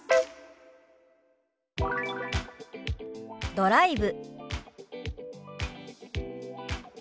「ドライブ」。